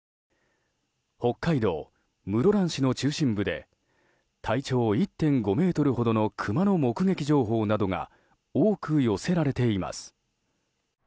北海道室蘭市の中心部で体長１．５ｍほどのクマの目撃情報などが多く寄せられています。